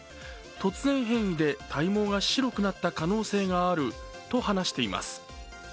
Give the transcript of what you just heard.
突然変異で体毛が白くなった可能性があると話しています。